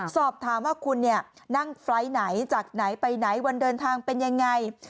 สอบถามว่าคุณนั่งไฟล์ทไหนจากไหนไปไหนวันเดินทางเป็นยังไง